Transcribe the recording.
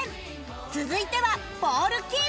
続いてはボールキープ